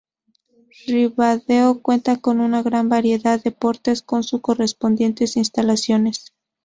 Ribadeo cuenta con una gran variedad de deportes, con sus correspondientes instalaciones.